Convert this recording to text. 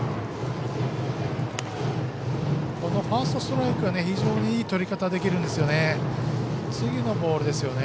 ファーストストライクが非常にいいとり方できるんですね。